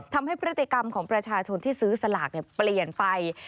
ทำให้พฤติกรรมของประชาชนที่ซื้อสลากเปลี่ยนไป